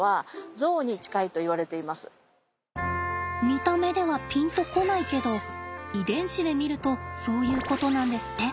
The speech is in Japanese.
見た目ではピンと来ないけど遺伝子で見るとそういうことなんですって。